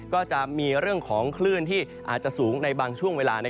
ก็จะมีเรื่องของคลื่นที่อาจจะสูงในบางช่วงเวลา